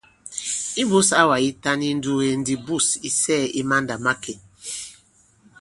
Imbūs awà yitan yi ǹnduge ndi bûs ì sɛɛ̄ i mandàmakè.